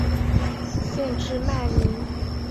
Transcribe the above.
县治曼宁。